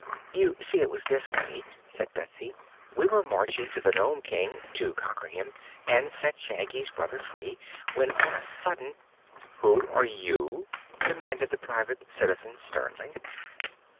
"You see, it was this way," said Betsy. "We were marching to the Nome King, to conquer him and set Shaggy's brother free, when on a sudden " "Who are you?" demanded the Private Citizen sternly.